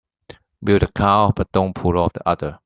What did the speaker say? Milk the cow but don't pull off the udder.